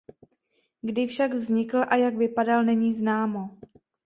Kdy však vznikl a jak vypadal není známo.